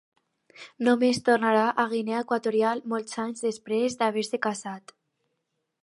Només tornarà a Guinea Equatorial molts anys després d'haver-se casat.